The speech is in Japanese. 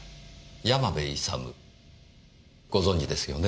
山部勇ご存じですよね？